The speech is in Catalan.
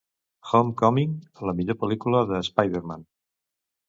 Homecoming, la millor pel·lícula de Spiderman.